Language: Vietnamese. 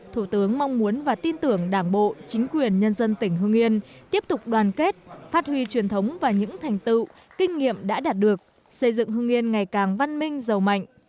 thủ tướng mong muốn và tin tưởng đảng bộ chính quyền nhân dân tỉnh hương yên tiếp tục đoàn kết phát huy truyền thống và những thành tựu kinh nghiệm đã đạt được xây dựng hương yên ngày càng văn minh giàu mạnh